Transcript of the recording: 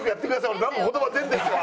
俺なんも言葉出んですわ。